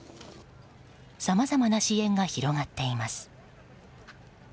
さまざまな支援が広がっています。